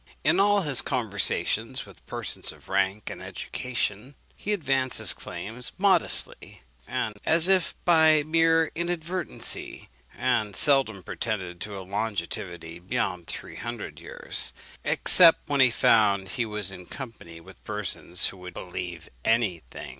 In all his conversations with persons of rank and education, he advanced his claims modestly, and as if by mere inadvertency, and seldom pretended to a longevity beyond three hundred years, except when he found he was in company with persons who would believe any thing.